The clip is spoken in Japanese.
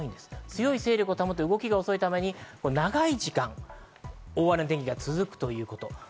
強い勢力を保って、遅いということは長い時間を大荒れの天気が続くということです。